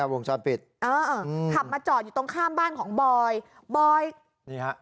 วงจรปิดเออขับมาจอดอยู่ตรงข้ามบ้านของบอยบอยนี่ฮะ